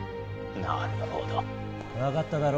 なるほど分かっただろ？